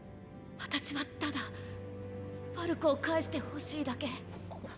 私はただファルコを返してほしいだけ。